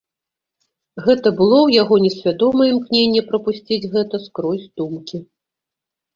Гэта было ў яго несвядомае імкненне прапусціць гэта скрозь думкі.